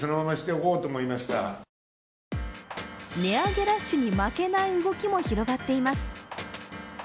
値上げラッシュに負けない動きも広がっています。